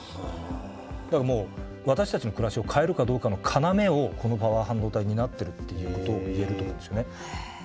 だからもう私たちの暮らしを変えるかどうかの要をこのパワー半導体担ってるっていうことを言えると思うんですよね。